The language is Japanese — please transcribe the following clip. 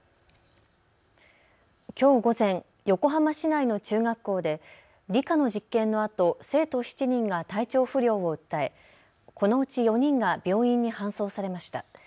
きょう午前、横浜市内の中学校で理科の実験のあと生徒７人が体調不良を訴え、このうち４人が病院に搬送されました。